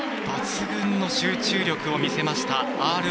抜群の集中力を見せました。